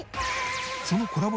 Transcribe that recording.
そのコラボ